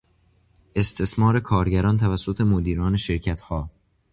استثمار کارگران توسط مدیران شرکت ها